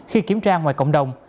khi kiểm tra ngoài cộng đồng